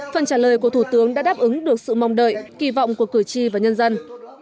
phần trả lời của thủ tướng đã đáp ứng được sự mong đợi kỳ vọng của cử tri và nhân dân